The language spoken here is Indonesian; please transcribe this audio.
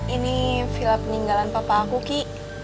ini villa peninggalan papa aku ki